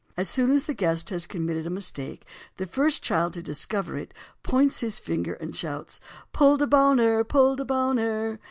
As soon as the guest has committed a mistake, the first Child to discover it points his finger at him and shouts, "Pulled a Boner, Pulled a Boner!"